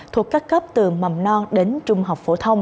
thuộc các cấp từ mầm non đến trường học